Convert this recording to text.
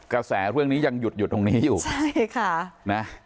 กระแสเรื่องนี้ยังหยุดอยู่ตรงนี้อยู่ใช่ค่ะนะ